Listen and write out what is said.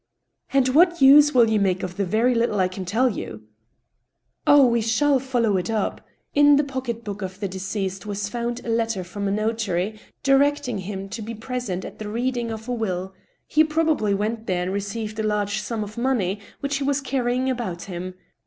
*• And what use will you make of the very little I can tell you ?"" Oh ! we shall follow it up. In the pocket book of the deceased was found a letter from a notary directing him to be present at the reading of a will He probably went there and received a large sum of money which he was carrying about him.